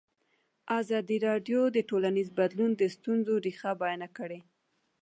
ازادي راډیو د ټولنیز بدلون د ستونزو رېښه بیان کړې.